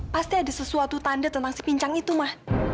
pasti ada sesuatu tanda tentang si pincang itu mah